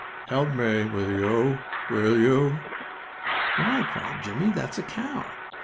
Moo! Help me, will you; will you?" "Why!" cried Jimmie. "That's a cow!"